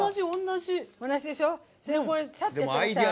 同じでしょ。